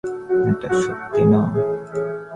এটা সত্যি না।